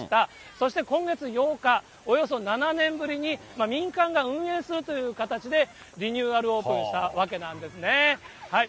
そして今月８日、およそ７年ぶりに民間が運営するという形で、リニューアルオープンしたわけなんですね。